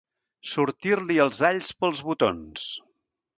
Sortir-li els alls pels botons.